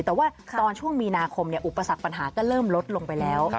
แต่ว่าตอนช่วงมีนาคมอุปสรรคปัญหาก็เริ่มลดลงไปแล้ว